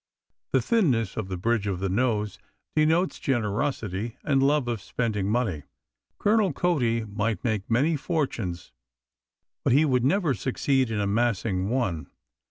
The thinness of the bridge of the nose denotes generosity and love of spending money. Colonel Cody might make many fortunes, but he would never succeed in amassing one.